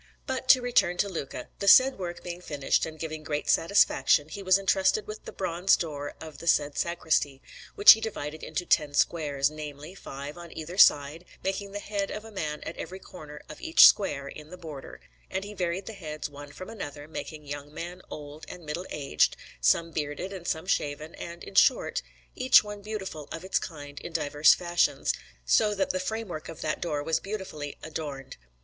But to return to Luca; the said work being finished and giving great satisfaction, he was entrusted with the bronze door of the said sacristy, which he divided into ten squares namely, five on either side, making the head of a man at every corner of each square, in the border; and he varied the heads one from another, making young men, old, and middle aged, some bearded and some shaven, and, in short, each one beautiful of its kind in diverse fashions, so that the framework of that door was beautifully adorned.